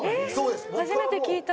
えっ初めて聞いた。